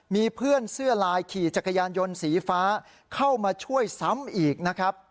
มีเพื่อนเสื้อลายขี่จักรยานยนต์สีฟ้าเข้ามาช่วยซ้ำอีกนะครับ